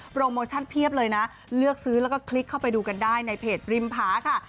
โมชั่นเพียบเลยนะเลือกซื้อแล้วก็คลิกเข้าไปดูกันได้ในเพจริมผาค่ะ